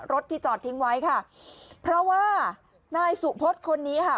ที่จอดทิ้งไว้ค่ะเพราะว่านายสุพศคนนี้ค่ะ